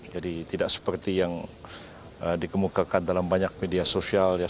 jadi tidak seperti yang dikemukakan dalam banyak media sosial ya